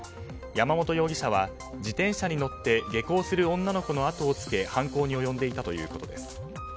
山本容疑者は自転車に乗って下校する女の子の後をつけ犯行に及んでいたということです。